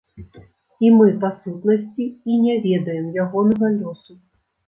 І мы, па сутнасці, і не ведаем ягонага лёсу.